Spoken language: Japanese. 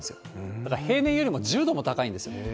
だから平年よりも１０度も高いんです。